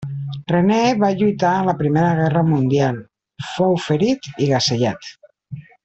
René va lluitar en la Primera Guerra mundial; fou ferit i gasejat.